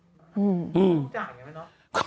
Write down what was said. ร้องจากอย่างนี้ไหมเนอะ